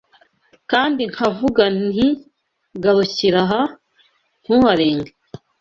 Kandi nkavuga nti Garukira aha, ntuharenge